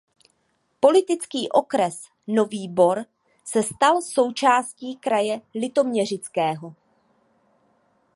Politický okres Nový Bor se stal součástí kraje litoměřického.